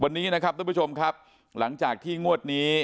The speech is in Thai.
วันนี้นะครับทุกผู้ชมครับหลังจากที่งวดนี้